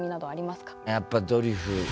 やっぱりドリフ。